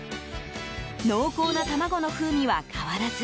濃厚な卵の風味は変わらず